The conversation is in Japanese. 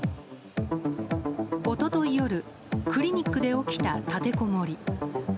一昨日夜クリニックで起きた立てこもり。